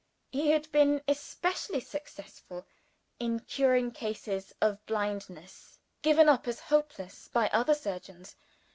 He had been especially successful in curing cases of blindness given up as hopeless by other surgeons.